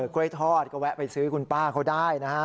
กล้วยทอดก็แวะไปซื้อคุณป้าเขาได้นะฮะ